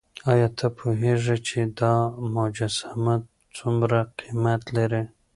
ایا ته پوهېږې چې دا مجسمه څومره قیمت لري؟